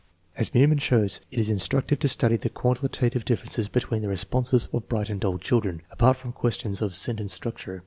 As Meumann shows, it is instructive to study the qualitative differences between the responses of bright and dull children, apart from questions of sentence structure.